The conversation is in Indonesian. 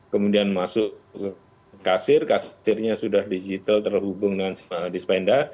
kemudian masuk kasir kasirnya sudah digital terhubung dengan dispenda